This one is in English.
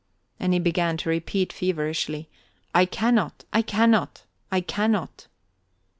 And he began to repeat feverishly: "I cannot! I cannot! I cannot!"